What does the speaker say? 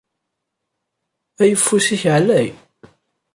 Ayeffus-ik ɛlay.